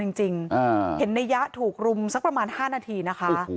ช่วงอย่างที่ในยะถูกรุ้มแค่สัก๕นาทีนะคะ